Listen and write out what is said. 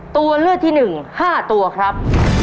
ตัวเลือดที่หนึ่ง๕ตัวครับ